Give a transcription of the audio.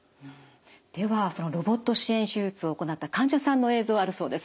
ではそのロボット支援手術を行った患者さんの映像あるそうです。